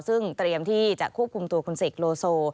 ซึ่งเตรียมที่จะควบคุมตัวคุณเสกโลโซ